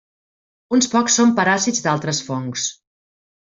Uns pocs són paràsits d'altres fongs.